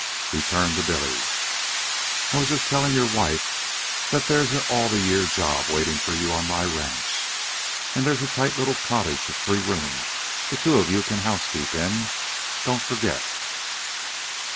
He turned to Billy. "I am just telling your wife that there's an all the year job waiting for you on my ranch. And there's a tight little cottage of three rooms the two of you can housekeep in. Don't forget."